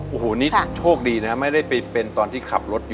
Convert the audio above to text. โอ้โหนี่โชคดีนะไม่ได้ไปเป็นตอนที่ขับรถ